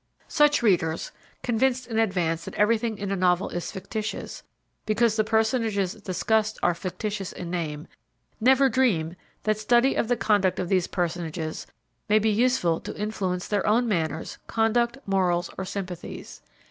Such readers, convinced in advance that everything in a novel is fictitious, because the personages discussed are fictitious in name, never dream that study of the conduct of these personages may be useful to influence their own manners, conduct, morals or sympathies.